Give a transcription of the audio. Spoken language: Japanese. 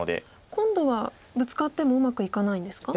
今度はブツカってもうまくいかないんですか？